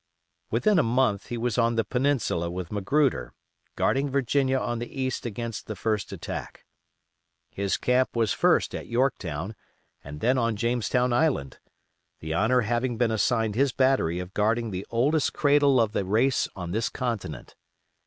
Within a month he was on "the Peninsula" with Magruder, guarding Virginia on the east against the first attack. His camp was first at Yorktown and then on Jamestown Island, the honor having been assigned his battery of guarding the oldest cradle of the race on this continent.